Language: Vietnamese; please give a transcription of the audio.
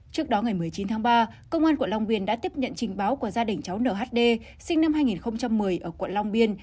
trước đó ngày một mươi chín tháng ba công an quận long biên đã tiếp nhận trình báo của gia đình cháu nhd sinh năm hai nghìn một mươi ở quận long biên